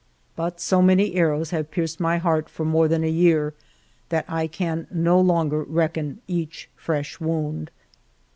But so many arrows have pierced my heart for more than a year that I can no longer reckon each fresh wound.